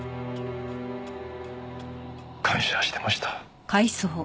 感謝してました。